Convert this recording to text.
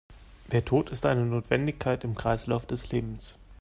Der Tod ist eine Notwendigkeit im Kreislauf des Lebens.